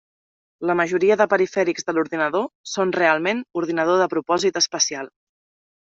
La majoria dels perifèrics de l'ordinador són realment ordinador de propòsit especial.